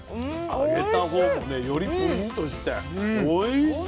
揚げたほうもねよりプリンとしておいしい。